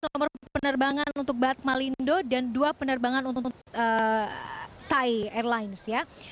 empat belas nomor penerbangan untuk badmalindo dan dua penerbangan untuk thai airlines